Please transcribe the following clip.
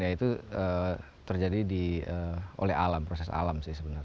itu terjadi oleh proses alam